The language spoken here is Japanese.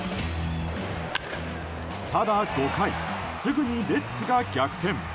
ただ５回、すぐにレッズが逆転。